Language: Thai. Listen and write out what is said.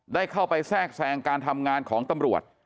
ได้เข้าไปแทรกแทรงการทำงานของตำรวจ